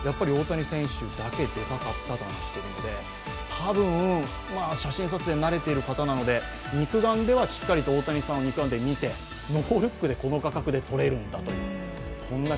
多分、写真撮影に慣れている方なので、肉眼ではしっかりと大谷さんを見てノールックでこの画角で撮れるんだっていう。